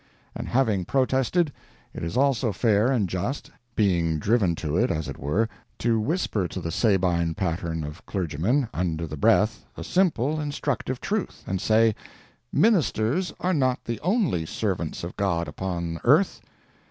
And having protested, it is also fair and just—being driven to it, as it were—to whisper to the Sabine pattern of clergyman, under the breath, a simple, instructive truth, and say, "Ministers are not the only servants of God upon earth.